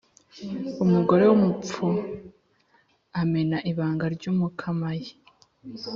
Umugore w’umupfu amena ibanga ry’umukamaye.